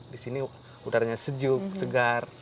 di sini udaranya sejuk segar